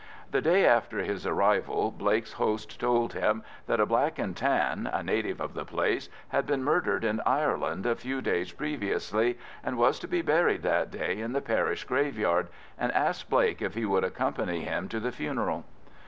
The day after his arrival Blake's host told him that a Black and Tan, a native of the place, had been murdered in Ireland a few days previously, and was to be buried that day in the parish graveyard, and asked Blake if he would accompany him to the funeral.